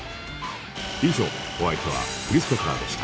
以上お相手はクリス・ペプラーでした